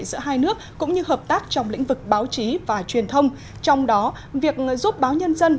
giữa hai nước cũng như hợp tác trong lĩnh vực báo chí và truyền thông trong đó việc giúp báo nhân dân